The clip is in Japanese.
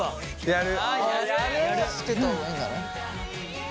やる！